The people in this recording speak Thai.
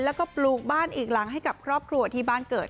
แล้วก็ปลูกบ้านอีกหลังให้กับครอบครัวที่บ้านเกิด